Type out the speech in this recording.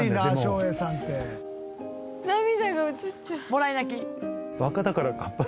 もらい泣き。